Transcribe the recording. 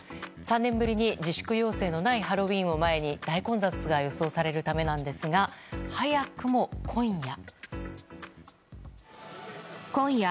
３年ぶりに自粛要請のないハロウィーンを前に大混雑が予想されるためですが早くも今夜。